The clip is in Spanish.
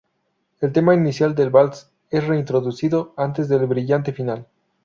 El tema inicial del vals es reintroducido antes del brillante final.